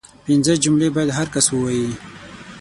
پنځه جملې باید هر کس ووايي